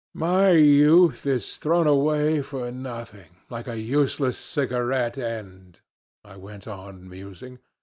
"My youth is thrown away for nothing, like a useless cigarette end," I went on musing.